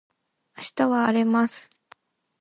明日は荒れます